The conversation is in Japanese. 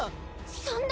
そんな！